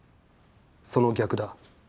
その逆だ。